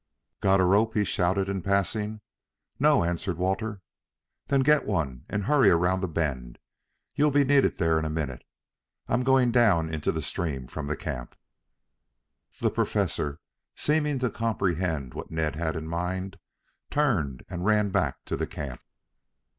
"Got a rope?" he shouted in passing. "No," answered Walter. "Then get one and hurry around the bend. You'll be needed there in a minute. I'm going down into the stream from the camp." The Professor, seeming to comprehend what Ned had in mind, turned and ran back to the camp.